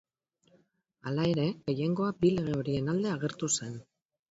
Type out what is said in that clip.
Hala ere, gehiengoa bi lege horien alde agertu zen.